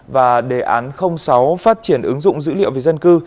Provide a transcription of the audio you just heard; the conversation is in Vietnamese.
và đề án sáu phát triển ứng dụng dữ liệu về dân cư